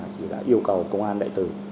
chỉ đã yêu cầu công an đại tử